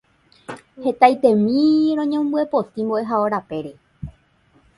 Hetaitémi roñombyepoti mbo'ehao rapére.